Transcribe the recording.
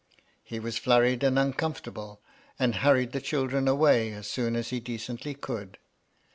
He was flurried and uncomfortable, and hurried the children away as soon as he decently could.